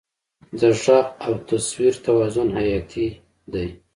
د غږ او تصویر توازن حیاتي دی.